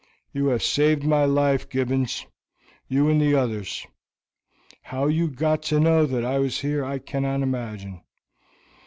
"You have saved my life, Gibbons you and the others. How you got to know that I was here I cannot imagine.